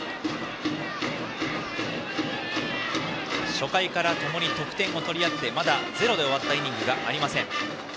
初回からともに得点を取りあってまだ０で終わったイニングがありません。